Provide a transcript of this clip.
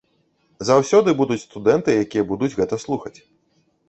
Заўсёды будуць студэнты, якія будуць гэта слухаць.